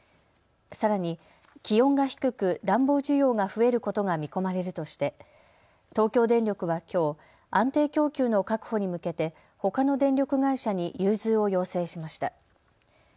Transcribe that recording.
さらに、気温が低く暖房需要が増えることが見込まれるとして東京電力はきょう安定供給の確保に向けてほかの電力会社に融通を要請しました。